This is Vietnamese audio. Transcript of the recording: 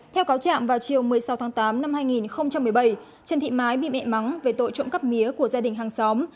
theo cáo trạng vào chiều một mươi sáu tháng tám năm hai nghìn một mươi bảy trần thị mái bị mẹ mắng về tội trộm cắp mía của gia đình hàng xóm